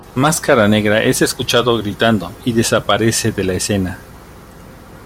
Máscara Negra es escuchado gritando, y desaparece de la escena.